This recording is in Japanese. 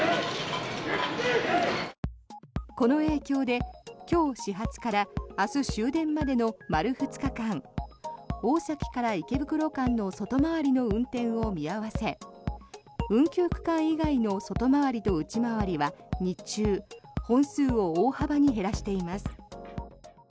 この影響で今日始発から明日終電までの丸２日間大崎から池袋間の外回りの運転を見合わせ運休区間以外の外回りと内回りは日中、本数を大幅に減らしています。